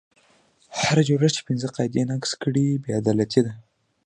هر جوړښت چې پنځه قاعدې نقض کړي بې عدالتي ده.